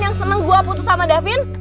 yang seneng gue putus sama davin